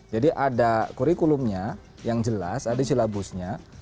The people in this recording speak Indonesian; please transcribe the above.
jadi ada kurikulumnya yang jelas ada silabusnya